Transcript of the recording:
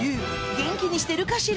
元気にしてるかしら？